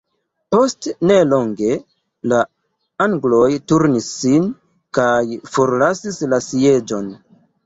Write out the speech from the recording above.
Post nelonge la angloj turnis sin kaj forlasis la sieĝon.